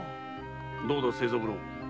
どうだ清三郎。